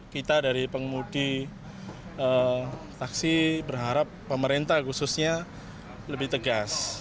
kita dari pengemudi taksi berharap pemerintah khususnya lebih tegas